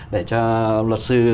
để cho luật sư